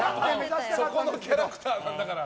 そこのキャラクターなんだから。